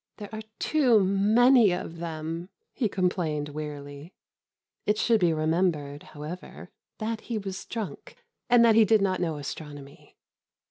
"There are too many of them," he complained wearily. It should be remembered, however, that he was drunk, and that he did not know astronomy.